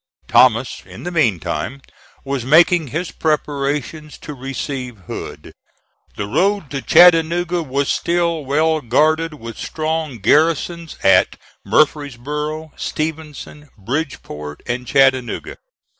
Thomas, in the meantime, was making his preparations to receive Hood. The road to Chattanooga was still well guarded with strong garrisons at Murfreesboro, Stevenson, Bridgeport and Chattanooga.